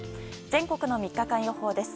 全国の３日間予報です。